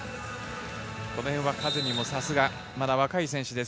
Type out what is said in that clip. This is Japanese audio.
この辺はカゼミもさすがまだ若い選手です。